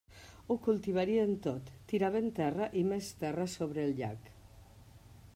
Ho cultivarien tot; tiraven terra i més terra sobre el llac.